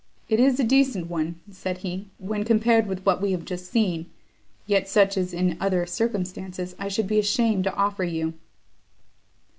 "It is a decent one," said he, "when compared with what we have just seen, yet such as in other circumstances I should be ashamed to offer you."